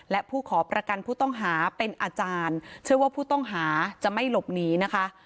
และผู้ขอประกันผู้ต้องหาเป็นอาจารย์เชื่อว่าผู้ต้องหาจะไม่หลบหนีนะคะ